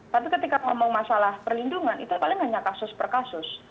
tapi ketika ngomong masalah perlindungan itu paling hanya kasus per kasus